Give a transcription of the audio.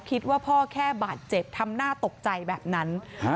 คิดว่าพ่อแค่บาดเจ็บทำหน้าตกใจแบบนั้น